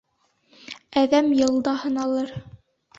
Әҙәм йылда һыналыр.